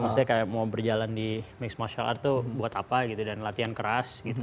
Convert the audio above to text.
maksudnya kayak mau berjalan di mixed martial art tuh buat apa gitu dan latihan keras gitu